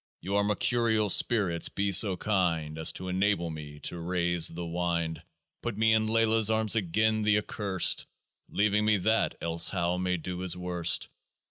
" You are Mercurial spirits — be so kind As to enable me to raise the wind. " Put me in LAYLAH'S arms again : the Accurst, Leaving me that, elsehow may do his worst."